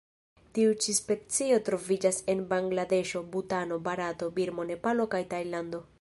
Tiu ĉi specio troviĝas en Bangladeŝo, Butano, Barato, Birmo, Nepalo kaj Tajlando.